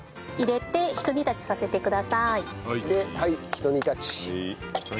ひと煮立ち。